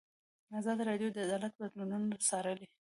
ازادي راډیو د عدالت بدلونونه څارلي.